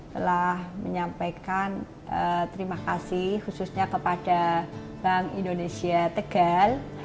telah menyampaikan terima kasih khususnya kepada bank indonesia tegal